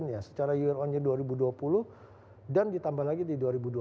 ya secara year on year dua ribu dua puluh dan ditambah lagi di dua ribu dua puluh